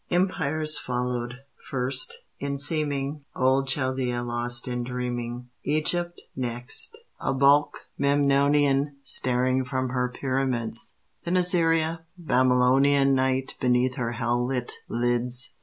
Empires followed: first, in seeming, Old Chaldea lost in dreaming; Egypt next, a bulk Memnonian Staring from her pyramids; Then Assyria, Babylonian Night beneath her hell lit lids.